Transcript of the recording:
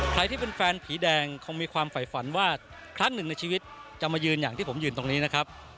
ใครที่เป็นแฟนผีแดงคงมีความฝ่ายฝันว่าครั้งหนึ่งในชีวิตจะมายืนอย่างที่ผมยืนตรงนี้นะครับ